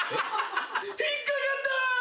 引っかかった！